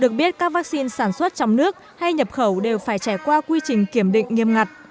được biết các vaccine sản xuất trong nước hay starving chúng ta lừa ra một việc để ăn ables được dùng trong nên thấy một nhiều thứ job khác